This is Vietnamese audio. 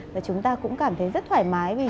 và chúng ta cũng cảm thấy rất thoải mái